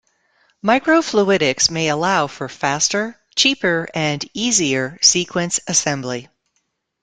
Microfluidics may allow for faster, cheaper and easier sequence assembly.